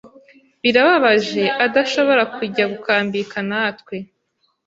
Birababaje adashobora kujya gukambika natwe.